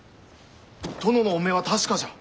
殿のお目は確かじゃ。